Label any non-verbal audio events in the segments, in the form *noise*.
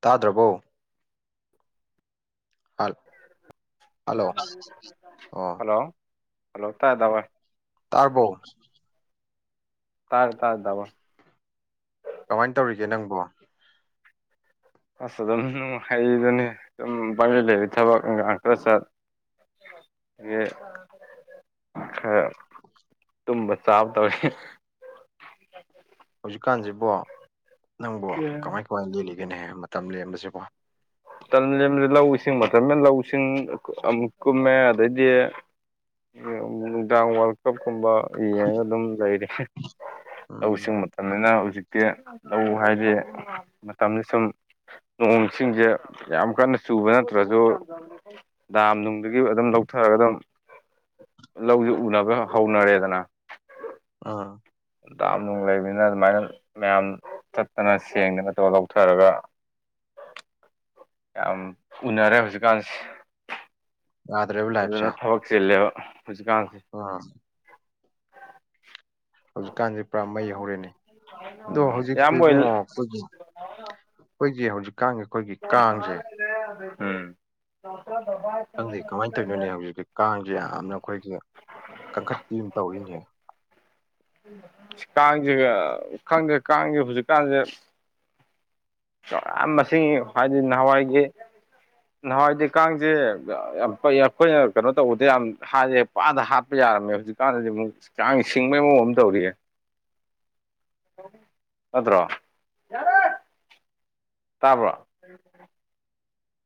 ꯇꯥꯗ꯭ꯔꯕꯣ ꯍꯜ ꯍꯜꯂꯣ ꯑꯣ *unintelligible* ꯇꯥꯔꯕꯣ ꯇꯥꯔꯦ ꯇꯥꯔꯦ ꯇꯥꯃꯣ ꯀꯃꯥꯏꯅ ꯇꯧꯔꯤꯒꯦ ꯅꯪꯕꯣ ꯑꯁ ꯑꯗꯨꯝ ꯅꯨꯡ ꯍꯩꯗꯨꯅꯤ ꯑꯗꯨꯝ ꯄꯪꯂꯩ ꯂꯩꯕ ꯊꯕꯛ ꯏꯟꯈꯥꯡ ꯈꯔ ꯆꯠ ꯌꯦ ꯈꯔ ꯇꯨꯝꯕ ꯆꯥꯕ ꯇꯧꯔꯤ ꯍꯧꯖꯤꯛꯀꯥꯟꯁꯤꯕ ꯅꯪꯕꯨ ꯀꯃꯥꯏ ꯀꯃꯥꯏꯅ ꯂꯦꯜꯂꯤꯒꯅꯤꯍ ꯃꯇꯝ ꯂꯦꯟꯔꯕꯁꯤꯕꯣ ꯇ ꯂꯧ ꯏꯁꯤꯡ ꯃꯆ ꯂꯧ ꯏꯁꯤꯡ ꯀꯨꯝꯃꯦ ꯑꯗꯩꯗꯤ ꯅꯨꯡꯗꯥꯡ ꯋꯥꯔꯜ ꯀꯞꯀꯨꯝꯕ ꯌꯦꯡꯉꯒ ꯑꯗꯨꯝ ꯂꯩꯔꯦ ꯎꯝ ꯂꯧꯎꯁꯤꯡ ꯃ ꯇꯝꯅꯤꯅ ꯍꯧꯖꯤꯛꯇꯤ ꯂꯧ ꯍꯥꯏꯗꯤ ꯃꯇꯝꯗ ꯁꯨꯝ ꯅꯣꯡ ꯏꯁꯤꯡꯁꯦ ꯌꯥꯝ ꯀꯟꯅ ꯆꯨꯕ ꯅꯠꯇ꯭ꯔꯁꯨ ꯗꯥꯝ ꯅꯨꯡꯗꯒꯤ ꯑꯗꯨꯝ ꯂꯧꯊꯔꯒ ꯑꯗꯨꯝ ꯂꯧꯁꯨ ꯎꯅꯕ ꯍꯧꯅꯔꯦꯗꯅ ꯑꯥ ꯗꯥꯝ ꯅꯨꯡ ꯂꯩꯕꯅꯤꯅ ꯑꯗꯨꯃꯥꯏꯅ ꯃꯌꯥꯝ ꯆꯠꯇꯅ ꯁꯦꯡꯗꯅꯠꯇꯧꯔꯒ ꯂꯧꯊꯔꯒ *inaudible* ꯌꯥꯝ ꯎꯅꯔꯦ ꯍꯧꯖꯤꯛꯀꯥꯟꯁꯦ ꯌꯥꯗ꯭ꯔꯦꯕ ꯂꯥꯏꯐꯁꯦ ꯐꯖꯅ ꯊꯕꯛ ꯆꯤꯜꯂꯦꯕ ꯍꯧꯖꯤꯛꯀꯥꯟꯁꯦ ꯑꯥ ꯍꯧꯖꯤꯛꯀꯥꯟꯁꯦ ꯄꯨꯔꯥ ꯃꯩ ꯍꯧꯔꯦꯅꯦ ꯑꯗꯣ ꯎꯝ ꯍꯧꯖꯤꯛꯁꯦ ꯏꯌꯥꯝꯕ ꯏꯕꯨꯡꯉꯣ ꯍꯣꯏ ꯑꯩꯈꯣꯏꯒꯤ ꯍꯣꯏ ꯆ ꯍ ꯍꯧꯖꯤ ꯀꯥꯡꯉꯦ ꯑꯩꯈꯣꯏꯒꯤ ꯐꯅꯥ ꯀꯥꯡꯁꯦ ꯂꯩꯔꯦ ꯑꯗꯨ ꯅꯇ ꯗꯕꯥ ꯈꯪꯗꯦ ꯀꯃꯥꯏꯅ ꯇꯧꯔꯤꯅꯣꯅꯦ ꯍꯧꯖꯤꯛꯇꯤ ꯀꯥꯡꯁꯦ ꯌꯥꯝꯅ ꯑꯩꯈꯣꯏꯒꯤ ꯀꯟꯈꯠꯄꯤ ꯑꯃ ꯇꯧꯔꯤꯅꯦ ꯀꯥꯡꯁꯦꯒ ꯈꯪꯗꯦ ꯀꯥꯡꯁꯦ ꯍꯧꯖꯤꯛꯀꯥꯟꯁꯦ ꯌꯥꯝ ꯃꯁꯤꯡ ꯍꯥꯏꯗꯤ ꯅꯍꯥꯟꯋꯥꯏꯒꯤ ꯅꯍꯥꯟꯋꯥꯏꯗꯤ ꯀꯥꯡꯁꯦ ꯌꯥꯝ ꯈꯣꯏꯅ ꯌꯥꯝ ꯑꯩꯈꯣꯏꯅ ꯀꯩꯅꯣ ꯇꯧꯕꯗ ꯌꯥꯝ ꯍꯥꯏꯌꯦ ꯄꯥꯗ ꯍꯥꯠꯄ ꯌꯥꯔꯝꯃꯦ ꯍꯧꯖꯤꯛꯀꯥꯟꯗꯗꯤ ꯑꯃꯨꯛ ꯆꯥꯡ ꯁꯤꯡꯕꯒꯤ ꯃꯑꯣꯡ ꯑꯃꯨꯛ ꯇꯧꯔꯤꯑꯦ *inaudible* ꯅꯠꯇ꯭ꯔꯣ ꯇꯥꯕ꯭ꯔꯣ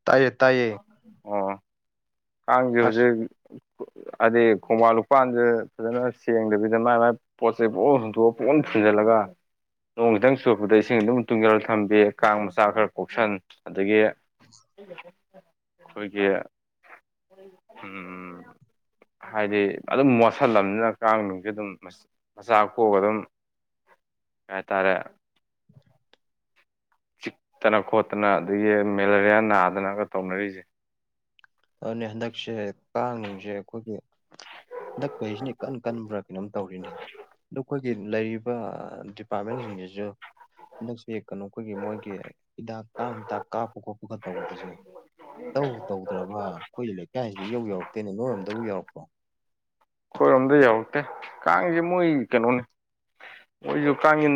ꯇꯥꯏꯌꯦ ꯇꯥꯏꯌꯦ ꯑꯣ ꯀꯥꯡꯁꯦ ꯑꯁ ꯍꯧꯖꯤꯛ ꯍꯥꯏꯗꯤ ꯈꯣꯡꯕꯥꯟ ꯂꯨꯄꯥꯟꯁ ꯐꯖꯅ ꯁꯦꯡꯗꯕꯤꯗ ꯃꯥꯏ ꯃꯥꯏ ꯄꯣꯠꯁꯦ ꯄꯣꯔ ꯍꯨꯟꯇꯣꯛꯑꯑꯣ ꯄꯣꯟ ꯊꯨꯖꯜꯂꯒ ꯅꯣꯡ ꯈꯤꯇꯪ ꯆꯨꯔꯛꯄꯗ ꯏꯁꯤꯡ ꯑꯗꯨꯝ ꯇꯨꯡꯖꯦꯜꯂꯒ ꯊꯝꯕꯤ ꯀꯥꯡ ꯃꯆꯥ ꯈꯔ ꯀꯣꯛꯁꯟ ꯑꯗꯒꯤ *unintelligible* ꯑꯩꯈꯣꯏꯒꯤ ꯎꯝ *inaudible* ꯍꯥꯏꯗꯤ ꯑꯗꯨꯝ ꯃꯣꯠꯁꯤꯜꯂꯝꯕꯅꯤꯅ ꯀꯥꯡꯅꯨꯡꯁꯦ ꯑꯗꯨꯝ ꯃꯆꯥꯥꯛ ꯄꯣꯛꯕ ꯑꯗꯨꯝ ꯀꯩ ꯍꯥꯏꯇꯥꯔꯦ *inaudible* ꯆꯤꯛꯇꯅ ꯈꯣꯠꯇꯅ ꯑꯗꯒꯤ ꯃꯦꯂꯔꯤꯌꯥ ꯅꯥꯗꯅꯒ ꯇꯧꯅꯔꯤꯁꯦ ꯑꯗꯨꯅꯦ ꯍꯟꯗꯛꯁꯦ ꯀꯥꯡꯅꯨꯡꯁꯦ ꯑꯩꯈꯣꯏꯒꯤ ꯍꯟꯗꯛꯄꯩꯁꯤꯅꯤ ꯀꯟ ꯀꯟꯕ꯭ꯔꯥ ꯀꯩꯅꯣꯝ ꯇꯧꯔꯤꯅꯤ ꯑ ꯑꯩꯈꯣꯏꯒꯤ ꯂꯩꯔꯤꯕ ꯗꯤꯄꯥꯔꯠꯃꯦꯟꯁꯤꯡꯁꯤꯁꯨ ꯍꯟꯗꯛꯁꯦ ꯀꯩꯅꯣ ꯑꯩꯈꯣꯏꯒꯤ ꯃꯣꯏꯒꯤ ꯍꯤꯗꯥꯛ ꯀꯥꯡ ꯍꯤꯗꯥꯛ ꯀꯥꯞꯄ ꯈꯣꯠꯄ ꯑꯗꯨꯒ ꯇꯧꯗꯣꯏꯁꯨ ꯇꯧ ꯇꯧ ꯑꯩꯈꯣꯏꯒꯤ ꯂꯩꯀꯥꯏꯁꯤꯗ ꯏꯌꯧ ꯌꯧꯔꯛꯇꯦ ꯅꯣꯏꯔꯝꯗꯕꯨ ꯌꯔꯛꯄꯔꯣ ꯑꯩꯈꯣꯏꯔꯣꯝꯗ ꯌꯥꯎꯔꯛꯇꯦ ꯀꯥꯡꯁꯦ ꯃꯣꯏ ꯀꯩꯅꯣꯅꯤ ꯃꯣꯏꯁꯨ ꯀꯥꯡꯁꯤ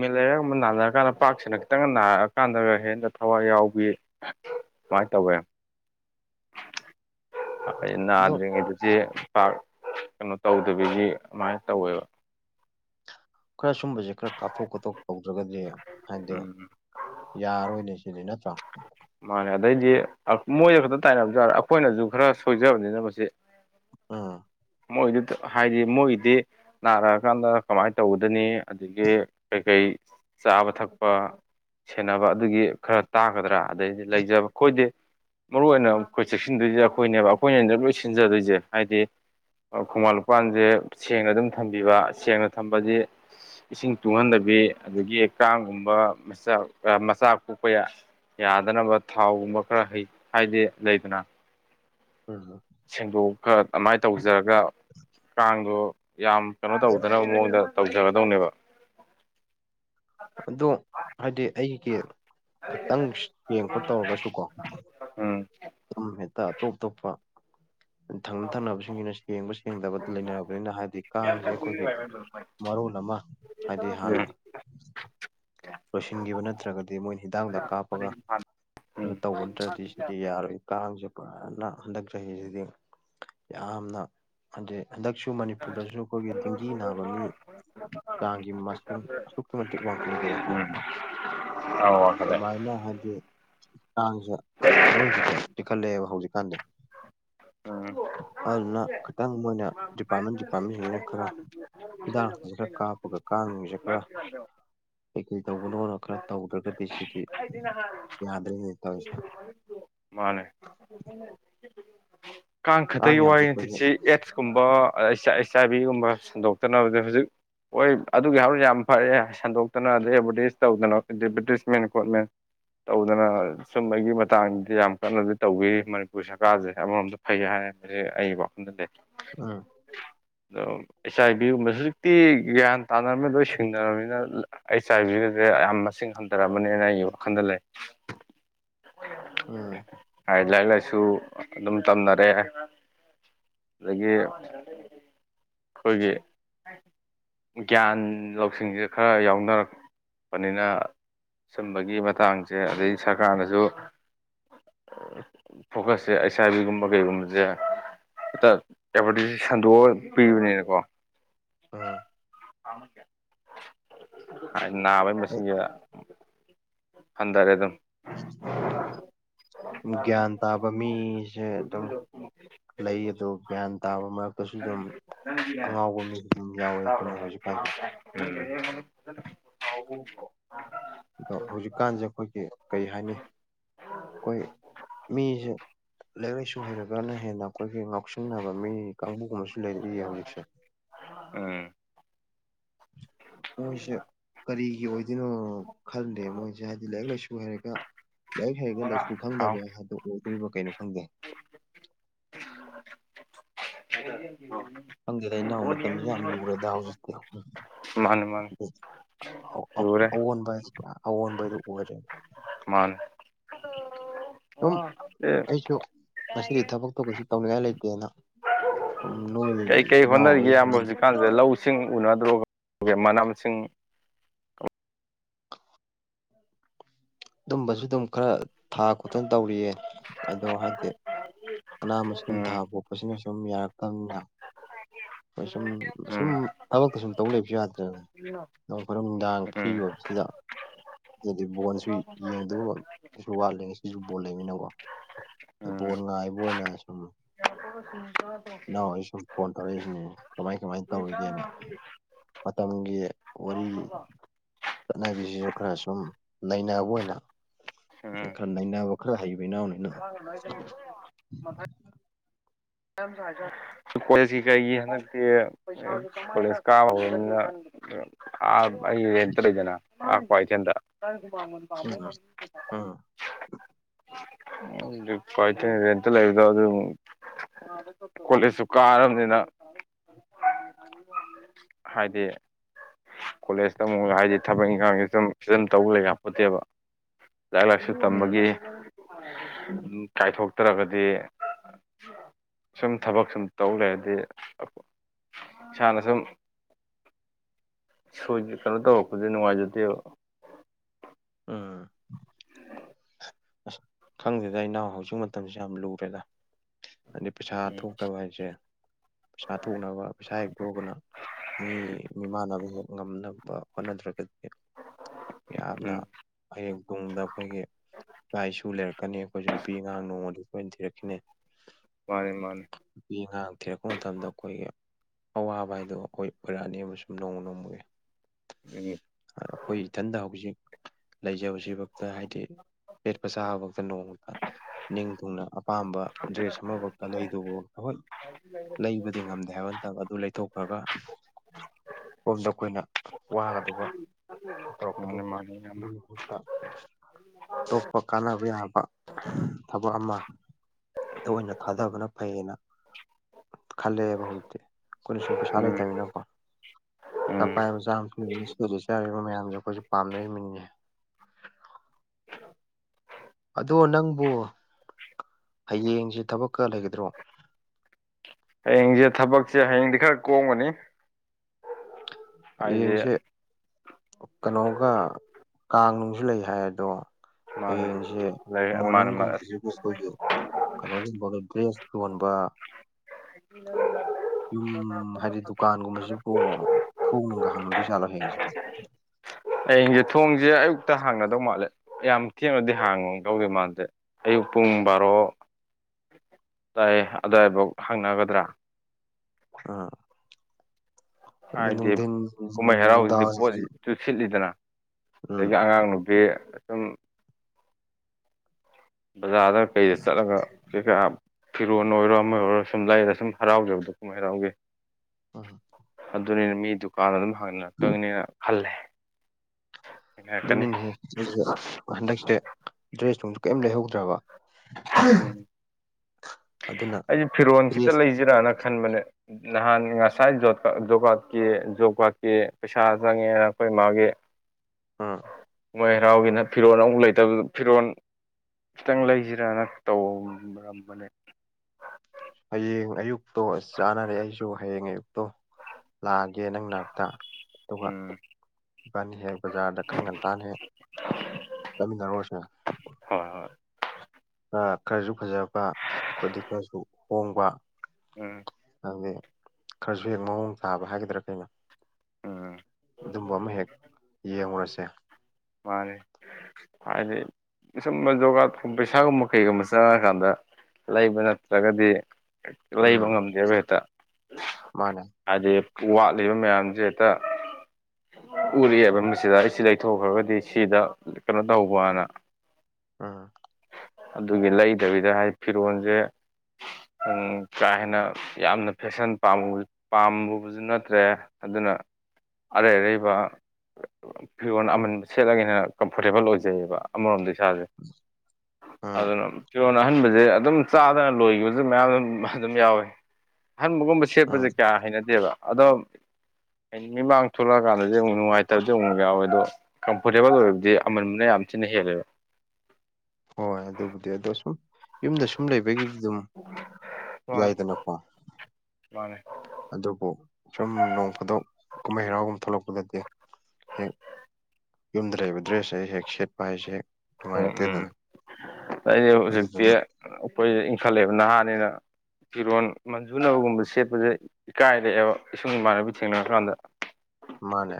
ꯃꯦꯂꯦꯔꯤꯌꯥꯒꯨꯝꯕ ꯅꯥꯟꯅꯔꯀꯥꯟꯗ ꯄꯥꯛꯁꯤꯅ ꯈꯤꯇꯪ ꯅꯥꯔꯛꯑꯀꯥꯟꯗꯒ ꯍꯦꯟꯅ ꯊꯋꯥꯏ ꯌꯥꯎꯕꯤ ꯁꯨꯃꯥꯏꯅ ꯇꯧꯋꯦ ꯍꯥꯏꯗꯤ ꯑꯗꯣ ꯅꯥꯗ꯭ꯔꯤꯉꯩꯗꯗꯤ ꯄꯥꯛ ꯀꯩꯅꯣ ꯇꯧꯗꯕꯤꯒꯤ ꯑꯗꯨꯃꯥꯏꯅ ꯇꯧꯋꯦꯕ ꯈꯔ ꯁꯨꯝꯕꯁꯦ ꯈꯔ ꯀꯥꯞꯊꯣꯛ ꯈꯣꯊꯣꯛ ꯇꯧꯗ꯭ꯔꯒꯗꯤ ꯍꯥꯏꯗꯤ ꯎꯝ ꯌꯥꯔꯣꯏꯅꯦ ꯁꯤꯅꯤ ꯅꯠꯇ꯭ꯔꯣ ꯃꯥꯅꯦ ꯑꯗꯩꯗꯤ ꯃꯣꯏꯗ ꯈꯛꯇ ꯇꯥꯏꯅꯕꯁꯨꯖꯔꯦ ꯑꯩꯈꯣꯏꯅꯁꯨ ꯈꯔ ꯁꯣꯏꯖꯕꯅꯤꯅ ꯃꯁꯤ ꯑ ꯃꯣꯏꯗꯨ ꯍꯥꯏꯗꯤ ꯃꯣꯏꯗꯤ ꯅꯥꯔꯛꯑꯀꯥꯟꯗ ꯀꯃꯥꯏꯅ ꯇꯧꯒꯗꯅꯤ ꯑꯗꯒꯤ ꯀꯩꯀꯩ ꯆꯥꯕ ꯊꯛꯄ ꯁꯦꯟꯅꯕ ꯑꯗꯨꯒꯤ ꯈꯔ ꯇꯥꯒꯗ꯭ꯔꯥ ꯑꯗꯩꯗꯤ ꯂꯩꯖꯕ ꯑꯩꯈꯣꯏꯗꯤ ꯃꯔꯨ ꯑꯣꯏꯅ ꯑꯩꯈꯣꯏ ꯆꯦꯛꯁꯤꯟꯗꯣꯏꯗꯤ ꯑꯩꯈꯣꯏꯅꯦꯕ ꯑꯩꯈꯣꯏꯅ ꯂꯣꯏ ꯁꯤꯟꯖꯗꯣꯏꯁꯦ ꯍꯥꯏꯗꯤ ꯈꯣꯡꯃꯟ ꯂꯨꯄꯥꯟꯁꯦ ꯁꯦꯡꯅ ꯑꯗꯨꯝ ꯊꯝꯕꯤꯕ ꯁꯦꯡꯅ ꯊꯝꯕꯁ ꯏꯁꯤꯡ ꯇꯨꯡꯍꯟꯗꯕꯤ ꯑꯗꯒꯤ ꯀꯥꯡꯒꯨꯝꯕ ꯃ ꯃꯆꯥ ꯀꯣꯛꯄ ꯌꯥ ꯌꯥꯗꯅꯕ ꯊꯥꯎꯒꯨꯝꯕ ꯈꯔ ꯍꯥꯏꯗꯤ ꯂꯩꯗꯅ ꯎ ꯁꯦꯡꯗꯣꯛꯀ ꯑꯗꯨꯃꯥꯏꯅ ꯇꯧꯖꯔꯒ ꯀꯥꯡꯗꯣ ꯌꯥꯝ ꯀꯩꯅꯣ ꯇꯧꯗꯅꯕ ꯃꯑꯣꯡꯗ ꯇꯧꯖꯒꯗ ꯗꯧꯅꯦꯕ ꯑꯗꯣ ꯍꯥꯏꯗꯤ ꯑꯩꯒꯤ ꯀ ꯎꯝ ꯑꯗꯨ ꯍꯦꯛꯇ ꯑꯇꯣꯞꯇꯣꯞꯄ ꯊꯪꯅ ꯊꯪꯅꯕꯁꯤꯡꯁꯤꯅ ꯁꯦꯡꯕ ꯁꯦꯡꯗꯕ ꯂꯩꯅꯔꯕꯅꯤꯅ ꯍꯥꯏꯕꯗꯤ ꯀꯥꯡꯁꯦ ꯑꯩꯈꯣꯏꯒꯤ ꯃꯔꯣꯜ ꯑꯃ ꯍꯥꯏꯗꯤ ꯍꯥꯟꯅ ꯎꯝ ꯂꯣꯏꯁꯤꯟꯈꯤꯕ ꯅꯠꯇ꯭ꯔꯒꯗꯤ ꯃꯣꯏꯅ ꯍꯤꯗꯡꯗ ꯀꯥꯞꯄꯒ ꯈ ꯎꯝ ꯇꯧꯕ ꯅꯠꯇ꯭ꯔꯒꯗꯤ ꯁꯤꯗꯤ ꯌꯥꯔꯣꯏꯏ ꯀꯥꯡꯁꯦ ꯄꯨꯖꯅ ꯍꯟꯗꯛ ꯆꯍꯤꯁꯤꯗꯤ ꯌꯥꯝꯅ ꯑꯗꯩ ꯍꯟꯗꯛꯁꯨ ꯃꯅꯤꯄꯨꯔꯗꯁꯨ ꯑꯩꯈꯣꯏꯒꯤ ꯗꯦꯡꯒꯤ ꯅꯥꯕ ꯃꯤ ꯆꯥꯡꯒꯤ ꯃꯁꯤꯡ ꯋꯥꯥꯛꯂꯗꯅꯀꯣ ꯑ ꯐꯔꯦ ꯑꯗꯨꯅ ꯍꯥꯏꯗꯤ ꯆꯥꯡꯁꯦ ꯄꯤꯈꯠꯂꯛꯑꯦꯕ ꯍꯧꯖꯤꯛꯀꯥꯟꯗꯤ ꯎꯝ ꯑꯗꯨꯅ ꯈꯤꯇꯪ ꯃꯣꯏꯅ ꯗꯤꯄꯥꯔꯠꯃꯦꯟ ꯗꯤꯄꯥꯔꯠꯃꯦꯟꯁꯤꯡꯁꯤꯅ ꯈꯔ ꯍꯤꯗꯡꯁꯤꯡ ꯈꯔ ꯀꯥꯞꯄ ꯑꯗꯨꯒ ꯀꯥꯡꯉꯤꯁꯦ ꯈꯔ ꯣ ꯀꯩꯗꯧꯧꯕꯅꯣꯅ ꯈꯔ ꯇꯧꯗ꯭ꯔꯒꯗꯤ ꯁꯤꯗꯤ ꯌꯥꯗ꯭ꯔꯦꯅꯦ ꯇꯧꯔꯤꯁꯦ ꯍꯣ ꯃꯥꯅꯦ ꯀꯥꯡ ꯀꯥꯡꯈꯛꯇꯒꯤ ꯌꯥꯝ ꯋꯥ ꯅ ꯆꯤꯛꯄꯁꯦ ꯊꯤꯛꯁꯤ ꯑꯦꯠ ꯀꯨꯝꯕ ꯑꯩꯁ ꯑꯥꯏ ꯕꯤꯒꯨꯝꯕ ꯁꯟꯗꯣꯛꯇꯅꯕꯗ ꯍꯧꯖꯤꯛ ꯍꯣꯏ ꯑꯗꯨꯒꯤ ꯍꯧꯔꯗꯤ ꯌꯥꯝ ꯐꯔꯦ ꯁꯟꯗꯣꯛꯇꯅ ꯑꯗꯩ ꯑꯦꯗꯚꯔꯇꯤꯁ ꯇꯧꯗꯅ ꯑꯦꯗꯚꯔꯇꯤꯁꯃꯦꯟ ꯈꯣꯠꯃꯦꯟ ꯇꯧꯗꯅ ꯁꯨꯝ ꯑꯩꯒꯤ ꯃꯇꯥꯡꯗꯤ ꯌꯥꯝ ꯀꯟꯅꯗꯤ ꯇꯧꯕꯤꯔꯤꯨꯔ ꯑꯩꯈꯣꯏ ꯁꯔꯀꯥꯔꯁꯦ ꯑꯃꯔꯃꯝꯇ ꯐꯩꯌꯦ ꯍꯥꯏꯕꯁꯦ ꯑꯩꯒꯤ ꯋꯥꯈꯐꯝꯗ ꯂꯩ ꯑꯥ ꯑꯗꯣ ꯑꯩꯠꯆ ꯑꯥꯏ ꯕꯤꯒꯨꯝꯕꯁꯨ ꯍꯧꯖꯤꯛꯇꯤ ꯒ꯭ꯌꯥꯟ ꯇꯥꯅꯔꯝꯃꯤ ꯂꯣꯏ ꯁꯤꯡꯅꯔꯕꯅꯤꯅ ꯑꯩꯠꯆ ꯑꯥꯏꯕꯤꯒꯁꯦ ꯑꯌꯥꯝ ꯃꯁꯤꯡ ꯍꯟꯊꯔꯃꯅꯦꯅ ꯑꯩꯒꯤ ꯋꯥꯈꯜꯗ ꯂꯩ ꯑꯥ ꯀꯥꯏ ꯂꯥꯏꯛ ꯂꯥꯏꯁ ꯁꯨ ꯑꯗꯨꯝ ꯇꯝꯅꯔꯛꯑꯦ ꯑꯗꯒꯤ ꯑꯩꯈꯣꯏꯒꯤ ꯒ꯭ꯌꯥꯟ ꯂꯧꯁꯤꯡꯁꯦ ꯈꯔ ꯌꯥꯎꯅꯔꯛꯄꯅꯤꯅ ꯁꯨꯝꯕꯒꯤ ꯃꯇꯥꯡꯁꯦ ꯑꯗꯩ ꯁꯔꯀꯥꯔꯅꯁꯨ *inaudible* ꯐꯣꯀꯁꯁꯦ ꯑꯩꯁ ꯑꯥꯏ ꯕꯤꯒꯨꯝꯕ ꯀꯩꯒꯨꯝꯕꯁꯦ ꯍ ꯑꯦꯚꯔꯇ ꯁꯟꯗꯣꯛꯑ ꯄꯤꯕꯅꯤꯅꯀꯣ ꯑꯥ ꯅꯥꯕꯩ ꯃꯁꯤꯡꯗ ꯍꯟꯊꯔꯦ ꯑꯗꯨꯝ ꯒ꯭ꯌꯥꯟ ꯇꯥꯕ ꯃꯤꯁꯦ ꯑꯗꯨꯝ ꯂꯩ ꯑꯗ‌ꯣ ꯒ꯭ꯌꯥꯟ ꯇꯥꯕ ꯃꯔꯛꯇꯁꯨ ꯑꯗꯨꯝ ꯑꯉꯥꯎꯕ ꯃꯤꯗꯨ ꯑꯗꯨꯝ ꯌꯥꯎꯋꯦ ꯑꯩꯈ‌ꯣꯏ ꯍꯧꯖꯤꯛꯀꯥꯟꯁ‌ꯦ ꯎꯝ ꯑꯗꯣ ꯍꯧꯖꯤꯛꯀꯥꯟꯁꯦ ꯑꯩꯈꯣꯏꯒꯤ ꯀꯩ ꯍꯥꯏꯅꯤ ꯑꯩꯈꯣꯏ ꯃꯤꯁꯦ ꯂꯥꯏꯔꯤꯛ ꯂꯥꯏꯁꯨ ꯍꯩꯔꯒꯅ ꯍꯦꯟꯅ ꯑꯩꯈꯣꯏꯒꯤ ꯉꯥꯎꯁ ꯁꯤꯅꯕ ꯃꯤ ꯀꯥꯡꯕꯨꯒꯨꯝꯕꯁꯨ ꯂꯩꯔꯛꯏ ꯍꯧꯖꯤꯛꯁꯦ ꯎꯝ ꯃꯣꯏꯁꯦ ꯀꯔꯤꯒꯤ ꯑꯣꯏꯗꯣꯏꯅꯣ ꯈꯜꯗꯦ ꯃꯣꯏꯁꯦ ꯍꯥꯏꯗꯤ ꯂꯥꯏꯔꯤꯛ ꯂꯥꯏꯁꯨ ꯍꯩꯔꯒ ꯂꯥꯏꯔꯤꯛ ꯍꯩꯔꯒ ꯂꯥꯏꯁꯨ ꯈꯪꯗꯕ ꯍꯥꯏꯗꯣ ꯑꯣꯏꯗꯣꯔꯤꯕ ꯀꯩꯅꯣ ꯈꯪꯗꯦ *unintelligible* ꯈꯪꯗꯦꯗ ꯏꯅꯥꯎ ꯃꯇꯝꯁꯤ ꯌꯥꯝ ꯂꯨꯔꯦꯗ ꯍꯧꯖꯤꯛꯇꯤ ꯃꯥꯅꯤ ꯃꯥꯅꯤ ꯂꯨꯔꯦ ꯑꯑꯣꯟꯕ ꯍꯥꯏ ꯑꯑꯣꯟꯕ ꯍꯥꯏꯗꯨ ꯑꯣꯏꯔꯦ ꯃꯥꯟ ꯁꯨꯝ ꯑꯩꯁꯨ ꯉꯁꯤꯗꯤ ꯊꯕꯛꯇ‌ꯣ ꯀꯩꯁꯨ ꯇꯧꯅꯤꯡꯉꯥꯏ ꯂꯩꯇꯦꯅ ꯎꯝ ꯅ‌ꯣꯏꯒꯤ ꯏꯅꯥꯎ ꯍ‌ꯣꯏ ꯁꯨꯝ ꯀꯥꯟꯁꯤꯗ ꯂꯧꯁꯤꯡ ꯎꯅꯗ꯭ꯔꯣ *unintelligible* ꯃꯅꯝꯁꯤꯡ ꯑꯗꯨꯝꯕꯁꯨ ꯑꯗꯨꯝ ꯈꯔ ꯊꯥ ꯈꯣꯠꯇꯅ ꯇꯧꯔꯤꯌꯦ ꯑꯗꯣ ꯍꯥꯏꯗꯤ ꯃꯅꯥ ꯃꯁꯤꯡ ꯎꯝ ꯊꯥꯕ ꯈꯣꯠꯄꯁꯤꯅ ꯁꯨꯝ ꯌꯥꯔꯛꯇꯕꯅꯤꯅ ꯗꯩ ꯁꯨꯝ ꯁꯨꯝ ꯎꯝ ꯊꯕꯛꯇ ꯁꯨꯝ ꯇꯧ ꯂꯩꯕꯁꯨ ꯌꯥꯗ꯭ꯔꯦꯗꯟ ꯅ‌ꯣꯡꯐꯗ‌ꯣꯛ ꯅꯨꯡꯗꯥꯡ ꯐ꯭ꯔꯤ ꯎꯝ ꯑꯣꯏꯕꯁꯤꯗ ꯑꯗꯨꯗꯤ ꯕꯣꯟꯁꯨ ꯌꯦꯡꯗꯕ ꯨꯋꯥꯠꯂ‌ꯦ ꯉꯁꯤꯁꯨ ꯕꯣꯜ ꯂꯩꯃꯤꯅꯀꯣ ꯗ ꯎꯝ ꯕꯣꯜ ꯉꯥꯏꯕ ꯑꯣꯏꯅ ꯁꯨꯝ *unintelligible* ꯏꯅꯥꯎ ꯑꯩ ꯁꯨꯝ ꯐꯣꯟ ꯇꯧꯔꯛꯏꯁꯤꯅꯦ ꯀꯃꯥꯏ ꯀꯃꯥꯏ ꯇꯧꯔꯤꯒꯦꯅ ꯃꯇꯝꯒꯤ ꯋꯥꯔꯤ ꯆꯠꯅꯕꯤꯁꯤꯁꯨ ꯈꯔ ꯁꯨꯝ ꯅꯩꯅꯕ ꯑꯣꯏꯅ ꯎꯝ ꯈꯔ ꯅꯩꯅꯕ ꯈꯔ ꯍꯩꯕ ꯏꯅꯥꯎꯅꯤꯅ *unintelligible* *inaudible* ꯀꯣꯂꯦꯖꯀꯤ ꯀꯔꯤꯒꯤ ꯍꯟꯗꯛꯇꯤ ꯀꯣꯂꯦꯖ ꯀꯥꯕ ꯍꯧꯔꯕꯅꯤꯅ ꯑꯥ *unintelligible* ꯑꯩ ꯔ‌ꯦꯟꯇ ꯂꯩꯗꯅ ꯑꯥ ꯀ꯭ꯋꯥꯀꯩꯊ‌ꯦꯜꯗ ꯎꯝ ꯎꯝ ꯀ꯭ꯋꯥꯏꯊ‌ꯦꯜ ꯔ‌ꯦꯟꯇ ꯂꯩꯔꯤꯗꯨ ꯑꯗꯨ ꯀꯣꯂꯦꯖꯁꯨ ꯀꯥꯔꯝꯅꯤꯅ ꯍꯥꯏꯗꯤ ꯀꯣꯂꯦꯖꯇ ꯑꯃꯨꯛ ꯍꯥꯏꯗꯤ ꯊꯕꯛ ꯏꯪꯈꯥꯡꯁꯤ ꯁꯨꯝ ꯁꯤꯗ ꯑꯗꯨꯝ ꯇꯧꯕ ꯌꯥꯄꯣꯠꯇꯦꯕ ꯂꯥꯏꯔꯤꯛ ꯂꯥꯏꯁꯨ ꯎꯝ ꯇꯝꯕꯒꯤ ꯀꯥꯏꯊꯣꯛꯇ꯭ꯔꯒꯗꯤ ꯁꯨꯝ ꯊꯕꯛ ꯁꯨꯝ ꯇꯧ ꯂꯩꯔꯗꯤ ꯏꯁꯥꯅ ꯁꯨꯝ ꯁꯣꯏ ꯀꯩꯅꯣ ꯇꯧꯔꯛꯄꯗꯤ ꯅꯨꯡꯉꯥꯏꯖꯗꯦꯕ꯫ ꯎꯝ ꯑꯁ ꯈꯪꯗꯦꯗ ꯏꯅꯥꯎ ꯍꯧꯖꯤꯛ ꯃꯇꯝꯁꯤ ꯌꯥꯝ ꯂꯨꯔꯦꯗ꯫ ꯍꯥꯏꯗꯤ ꯄꯩꯁꯥ ꯊꯣꯛꯇꯕ ꯍꯥꯏꯁꯦ ꯄꯩꯁꯥ ꯊꯣꯛꯅꯕ ꯄꯩꯁꯥ ꯍꯦꯛ ꯊꯣꯛꯑꯒꯅ ꯃꯤ ꯃꯤꯃꯥꯟꯅꯕ ꯍꯦꯛ ꯉꯝꯅꯕ ꯍꯣꯠꯅꯗ꯭ꯔꯒꯗꯤ ꯌꯥꯝꯅ ꯎꯝ ꯍꯌꯦꯡ ꯇꯨꯡꯗ ꯑꯩꯈꯣꯏꯒꯤ ꯏꯆꯥ ꯏꯁꯨ ꯂꯩꯔꯛꯀꯅꯤ ꯑꯩꯈꯣꯏꯁꯨ ꯅꯨꯄꯤ ꯑꯉꯥꯡ ꯅꯣꯡꯃꯗꯤ ꯁ‌ꯣꯏꯅ ꯊꯤꯔꯛꯈꯤꯅꯤ ꯃꯥꯅꯦ ꯃꯥꯅꯦ ꯅꯨꯄꯤ ꯑꯉꯥꯡ ꯊꯤꯔꯛꯄ ꯃꯇꯝꯗ ꯑꯩꯈꯣꯏꯒꯤ ꯑꯋꯥꯕ ꯍꯥꯏꯗꯣ ꯑꯩꯈꯣꯏ ꯑꯣꯏꯔꯛꯑꯅꯤꯕ ꯁꯨꯝ ꯅꯣꯡꯃ ꯅꯣꯡꯃꯒꯤ ꯎꯝ ꯑꯩꯈꯣꯏ ꯏꯊꯟꯗ ꯍꯧꯖꯤꯛ ꯂꯩꯖꯕꯁꯤꯐꯥꯎꯗ ꯍꯥꯏꯗꯤ ꯁꯦꯠꯄ ꯁꯥꯥꯕꯐꯗ ꯅꯣꯡꯃꯗ ꯅꯤꯡ ꯊꯨꯡꯅ ꯑꯄꯥꯝꯕ ꯗ꯭ꯔꯦꯁ ꯑꯃꯈꯛꯇ ꯂꯩꯗꯨꯕꯨ ꯍꯈꯣꯏ ꯂꯩꯕꯗꯤ ꯉꯝꯗꯦ ꯍꯥꯏꯕ ꯃꯇꯝꯠꯇꯕ ꯑꯗꯨ ꯂꯩꯇ ꯍꯥꯊꯣꯛꯈ꯭ꯔꯒ ꯔꯣꯝꯗ ꯑꯩꯈꯣꯏꯅ ꯋꯥꯒꯗꯧꯕ ꯎꯝ ꯇꯧꯔꯛ ꯃꯥꯅꯤ ꯃꯥꯅꯤ *unintelligible* ꯏꯌꯥꯝꯕ ꯑꯇꯣꯞꯄ ꯀꯥꯟꯅꯕ ꯌꯥꯕ ꯊꯕꯛ ꯑꯃ ꯇ ꯑꯣꯏꯅ ꯊꯥꯗꯕꯅ ꯐꯩꯌꯦꯅ ꯈꯜꯂꯦꯑꯦꯕ ꯍꯧꯖꯤꯛꯇꯤ ꯑꯩꯈꯣꯏꯗꯤ ꯁꯨꯝ ꯄꯩꯁꯥ ꯎꯝ ꯂꯩꯇꯅꯤꯅꯀꯣ ꯎꯝ ꯄꯥꯏꯕꯥ ꯃꯆꯥ ꯃꯁꯨꯖꯤꯡ ꯁꯦꯠꯂꯤ - ꯆꯥꯔꯤꯕ ꯃꯌꯥꯝꯁꯦ ꯑꯩꯈꯣꯏꯁꯨ ꯄꯥꯝꯅꯩꯃꯤꯅꯦ꯫ ꯑꯗꯣ ꯅꯪꯕꯨ ꯍꯌꯦꯡꯁꯦ ꯊꯕꯛꯀ ꯂꯩꯒꯗ꯭ꯔꯣ? ꯍꯌꯦꯡꯁꯦ ꯊꯕꯛꯁꯦ ꯍꯌꯦꯡꯗꯤ ꯈꯔ ꯀꯣꯝꯒꯅꯤ꯫ ꯍꯥꯏꯗꯤ ꯍꯌꯦꯡꯁꯦ ꯀꯩꯅꯣꯒ ꯀꯥꯡꯅꯨꯡꯖꯨ ꯂꯩ ꯍꯥꯏ ꯑꯗꯣ ꯃꯥꯅꯦ ꯍꯌꯦꯡꯖꯦ ꯂꯩ ꯃꯥꯅꯦ ꯃꯥꯅꯦ ꯃꯣꯔꯅꯤꯡꯒꯨꯝꯕꯁꯤꯕꯨ ꯑꯈꯣꯏꯒꯤ ꯀꯩꯅꯣꯒꯨꯝꯕꯒ ꯗ꯭ꯔꯦꯁ ꯌꯣꯟꯕ ꯌꯨꯝ ꯍꯥꯏꯗꯤ ꯗꯨꯀꯥꯟꯒꯨꯝꯕꯖꯤꯕꯨ ꯊꯣꯡꯅꯨꯡꯒ ꯍꯥꯡꯉꯝꯗꯣꯏ ꯖꯥꯠꯂꯣ ꯍꯌꯦꯡꯁꯤꯕꯣ? ꯍꯩ ꯌꯦꯡ ꯁꯦ ꯊꯣꯡꯁꯦ ꯑꯌꯨꯛꯇ ꯍꯥꯡꯒꯗꯧ ꯃꯥꯜꯂꯦ ꯌꯥꯝ ꯊꯦꯡꯅꯗꯤ ꯍꯥꯡꯗꯧꯗꯤ ꯃꯥꯟꯗꯦ꯫ ꯑꯌꯨꯛ ꯄꯨꯡ ꯕꯥꯔꯣ ꯇꯥꯏꯌꯦ ꯑꯗꯨꯋꯥꯏꯐꯧ ꯍꯥꯡꯅꯒꯗ꯭ꯔꯥ ꯑ ꯍꯥꯏꯗꯤ ꯀꯨꯝꯍꯩ ꯍꯔꯥꯎꯕꯁꯤꯗꯤ ꯅꯨꯡꯗꯥꯡ ꯄꯣꯠꯂꯤ ꯆꯨꯁꯤꯠꯂꯤꯗꯅ ꯎꯝ ꯑꯗꯒꯤ ꯑꯉꯥꯡ ꯅꯨꯕꯤ ꯁꯨꯝ ꯕꯖꯥꯔꯗ ꯀꯩꯗ ꯆꯠꯂꯒ ꯀꯩ ꯀꯥ ꯐꯤꯔꯣꯟ ꯑꯣꯏꯔꯣ ꯑꯃ ꯑꯣꯏꯔꯣ ꯁꯨꯝ ꯂꯩꯔ ꯁꯨꯝ ꯍꯔꯥꯎꯖꯕꯗꯣ ꯀꯨꯝꯍꯩꯔꯥꯎꯒꯤ ꯑ ꯑꯗꯨꯅꯤꯅ ꯃꯤ ꯗꯨꯀꯥꯟꯗ ꯑꯗꯨꯝ *unintelligible* ꯈꯜꯂꯦ ꯍꯥꯏꯅꯔꯛꯀꯅꯤ ꯑꯗꯨꯅꯤꯅꯦꯍꯦ ꯑꯩꯖꯦ ꯍꯟꯗꯛꯁꯦ ꯗ꯭ꯔꯦꯁꯅꯨꯪ ꯀꯔꯤꯝ ꯂꯩꯍꯧꯗ꯭ꯔꯕ꯫ ꯎꯝ *unintelligible* ꯑꯗꯨꯅ ꯑꯩꯁꯦ ꯐꯤꯔꯣꯟꯜ ꯈꯤꯇ ꯗ꯭ꯔꯦꯁ ꯂꯩꯖꯤꯔꯥꯅ ꯈꯟꯕꯅꯦ꯫ ꯅꯍꯥꯟ ꯉꯁꯥꯏ ꯖꯣꯕ ꯀꯥꯔꯀꯤ ꯖꯣꯕ ꯀꯥꯔꯠꯀꯤ ꯄꯩꯁꯥ ꯆꯪꯉꯦꯅ ꯑꯩꯈꯣꯏ ꯃꯥꯒꯤ ꯑꯝ ꯃꯣꯏ ꯍꯔꯥꯎꯒꯤꯅ ꯐꯤꯔꯣꯟ ꯑꯃꯨꯛ ꯂꯩꯇꯕꯗ ꯐꯤꯔꯣꯜ ꯈꯤꯇꯪ ꯂꯩꯁꯤꯔꯅ ꯇꯧꯔꯝꯕꯅꯦ ꯍꯌꯦꯡ ꯑꯌꯨꯛꯇꯣ ꯑꯁ ꯆꯥꯟꯅꯔꯦ ꯑꯩꯁꯨ ꯍꯌꯦꯡ ꯑꯌꯨꯛꯇꯣ ꯂꯥꯛꯑꯒꯦ ꯅꯪ ꯅꯥꯛꯇ ꯑꯗꯨꯒ ꯎꯝ ꯏꯕꯥꯅꯤ ꯍꯦꯛ ꯕꯖꯥꯔꯗ ꯈꯔ ꯉꯟꯇꯥꯅ ꯍꯦꯛ ꯆꯠꯃꯤꯟꯅꯔꯨꯔꯁꯦ ꯍꯣꯏ ꯍꯣꯏ ꯈꯔꯁꯨ ꯐꯖꯕ *unintelligible* ꯈꯔꯁꯨ ꯍꯣꯡꯕ ꯎꯝ ꯍꯥꯏꯗꯤ ꯈꯔꯁꯨ ꯍꯦꯛ ꯃꯑꯣꯡ ꯇꯥꯕ ꯍꯥꯏꯒꯗ꯭ꯔꯥ ꯀꯩꯅꯣ ꯎꯝ ꯑꯗꯨꯝꯕ ꯑꯃ ꯍꯦꯛ ꯌꯦꯡꯉꯨꯔꯁꯦ ꯃꯥꯅꯦ ꯍꯥꯏꯗꯤ ꯁꯨꯝꯕ ꯖꯣꯒꯥꯝ ꯄꯩꯁꯥꯒꯨꯝꯕ ꯀꯩꯒꯨꯝꯕ ꯆꯪꯉꯀꯥꯟꯗ ꯂꯩꯕ ꯅꯠꯇ꯭ꯔꯒꯗꯤ ꯂꯩꯕ ꯎꯝ ꯉꯝꯗꯦꯕ ꯍꯦꯛꯇ ꯃꯥꯅꯦ ꯍꯥꯏꯗꯤ ꯋꯥꯠꯂꯤꯕ ꯃꯌꯥꯝꯁꯦ ꯍꯦꯛꯇ ꯎꯔꯤꯑꯦꯕ ꯃꯁꯤꯗ ꯑꯩ ꯁꯤ ꯂꯩꯊꯣꯛꯈ꯭ꯔꯒꯗꯤ ꯁꯤꯗ ꯀꯩꯅꯣ ꯇꯧꯕꯅ ꯎꯝ ꯑꯗꯨꯒꯤ ꯂꯩꯗꯕꯤꯗ ꯍꯥꯏ ꯐꯤꯔꯣꯟꯖꯦ ꯀꯥ ꯍꯦꯟꯅ ꯌꯥꯝꯅ ꯐꯦꯁꯟ ꯄꯥꯝꯃꯨ ꯄꯝꯃꯨꯕꯁꯨ ꯅꯠꯇ꯭ꯔꯦ ꯑꯗꯨꯅ ꯑꯔꯩ ꯑꯔꯩꯕ ꯐꯤꯔꯣꯟ ꯑꯃꯟꯕ ꯁꯦꯠꯂꯒꯅ ꯀꯝꯐꯣꯔꯇꯦꯕꯜ ꯑꯣꯏꯖꯩꯑꯕ ꯑꯃꯔꯣꯝꯗ ꯏꯁꯥꯖꯦ ꯫ *unintelligible* ꯎꯝ *unintelligible* ꯀꯤꯔꯣꯟ ꯑꯍꯟꯕꯁꯦ ꯑꯗꯨꯝ ꯆꯥꯗꯅ ꯂꯣꯏꯈꯤꯕꯁꯨ ꯃꯌꯥꯝ ꯑꯗꯨ ꯑꯗꯨꯝ ꯌꯥꯎꯋꯦ ꯑꯍꯟꯕꯒꯨꯝꯕ ꯁꯦꯠꯄꯁꯦ ꯎꯝ ꯀꯌꯥ ꯍꯩꯅꯗꯦꯕ ꯑꯗꯣ ꯃꯤꯃꯥꯡ ꯊꯣꯛꯂꯛꯑꯀꯥꯟꯗꯗꯤ ꯑꯃꯨꯛ ꯅꯨꯡꯉꯥꯏꯇꯕꯗꯤ ꯑꯃꯨꯛ ꯌꯥꯎꯋꯦ ꯑꯗꯣ ꯀꯝꯐꯣꯔꯇꯦꯕꯜ ꯑꯣꯏꯔꯕꯗꯤ ꯑꯃꯟꯕꯅ ꯌꯥꯝ ꯊꯤꯟꯅ ꯍꯦꯜꯂꯦꯕ ꯍꯣꯏ ꯑꯗꯨꯕꯨꯗꯤ ꯑꯗꯣ ꯁꯨꯝ ꯌꯨꯝꯗ ꯁꯨꯝ ꯂꯩꯕꯒꯤ ꯑꯗꯨꯝ ꯃꯥꯅꯦ ꯌꯥꯏꯗꯅ ꯃꯥꯅꯦ ꯑꯗꯨꯕꯨ ꯁꯨꯝ ꯅꯣꯡ ꯐꯥꯗꯣꯛ ꯀꯨꯝꯍꯩ ꯍꯔꯥꯎꯒꯨꯝ ꯊꯣꯛꯂꯛꯄꯇꯦ ꯍꯦꯛ ꯌꯨꯝꯗ ꯂꯩꯕ ꯗ꯭ꯔꯦꯁ ꯍꯦꯛ ꯁꯦꯠꯄ ꯍꯥꯏꯁꯦ ꯍꯦꯛ ꯎꯝ ꯎꯝ ꯅꯨꯡꯉꯥꯏꯔꯛꯇꯦꯗꯅ ꯑꯗꯤ ꯍꯧꯖꯤꯛꯇꯤ ꯑꯗꯨꯗꯨꯅ ꯑꯩꯈꯣꯏꯁꯦ ꯏꯟꯈꯠꯂꯦꯕ ꯅꯍꯥꯅꯤꯅ ꯐꯤꯔꯣꯟ ꯃꯟꯖꯨꯅꯕꯒꯨꯝꯕ ꯁꯦꯠꯄꯁꯦ ꯏꯀꯥꯏꯔꯛꯑꯦꯕ ꯏꯁꯨꯡ ꯏꯃꯥꯟꯅꯕꯤ ꯊꯦꯡꯅꯔ ꯀꯥꯟꯗ ꯃꯥꯅꯦ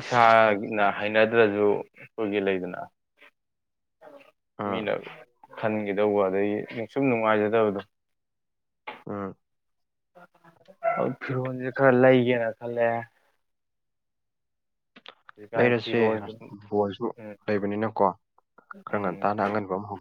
ꯏꯁꯥꯒꯤꯅ ꯍꯩꯅꯗ꯭ꯔꯁꯨ ꯑꯩꯈꯣꯏꯒꯤ ꯂꯩꯗꯅ ꯎꯝ ꯃꯤꯅ ꯈꯟꯈꯤꯗꯧꯕ ꯑꯗꯒꯤ ꯁꯨꯝ ꯅꯨꯡꯉꯥꯏꯖꯗꯕꯗꯣ ꯎꯝ ꯑꯗꯨ ꯐꯤꯔꯣꯜꯁꯦ ꯈꯔ ꯂꯩꯒꯦꯅ ꯈꯜꯂꯦ ꯍꯧꯖꯤꯛꯀꯥꯟ ꯂꯩꯔꯁꯦ ꯐꯤꯔꯣꯜꯁꯦ *unintelligible* ꯎꯝ ꯂꯩꯕꯅꯤꯅꯀꯣ ꯈꯔ ꯎꯝ ꯉꯟꯇꯥꯅ ꯑꯉꯟꯕ ꯑꯃ ꯍꯧꯗ